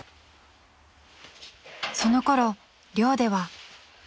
［そのころ寮では］